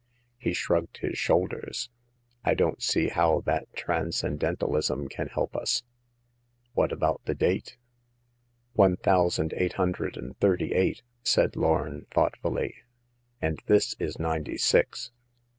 " He shrugged his shoulders. " I don't see how that transcendentalism can help us." " What about the date ?"" One thousand eight hundred and thirty eight," said Lorn, thoughtfully ;" and this is' ninety six.